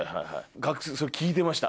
それ聞いてました。